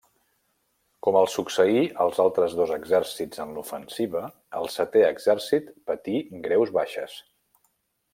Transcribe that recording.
Com els succeí als altres dos exèrcits en l'ofensiva, el Setè Exèrcit patí greus baixes.